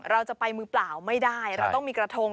เราจะไปมือเปล่าไม่ได้เราต้องมีกระทง